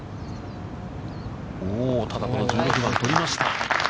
ただ、この１６番を取りました。